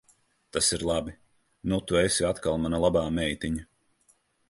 Tas ir labi. Nu tu esi atkal mana labā meitiņa.